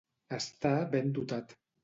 Estar ben dotat.